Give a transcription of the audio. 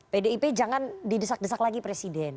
pdip jangan didesak desak lagi presiden